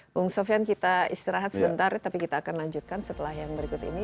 bung sofian kita istirahat sebentar tapi kita akan lanjutkan setelah yang berikut ini